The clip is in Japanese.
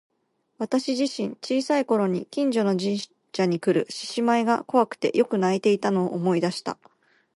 私自身、小さい頃に近所の神社にくる獅子舞が怖くてよく泣いていたのを思い出した。